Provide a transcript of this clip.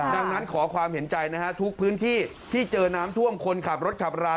ดังนั้นขอความเห็นใจนะฮะทุกพื้นที่ที่เจอน้ำท่วมคนขับรถขับรา